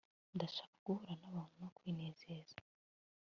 Ndashaka guhura nabantu no kwinezeza